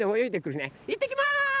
いってきます！